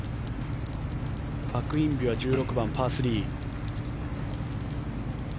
パク・インビは１６番、パー３。